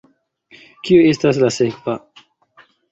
Kio estas la sekva?